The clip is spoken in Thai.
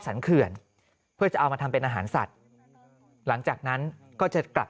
เขื่อนเพื่อจะเอามาทำเป็นอาหารสัตว์หลังจากนั้นก็จะกลับ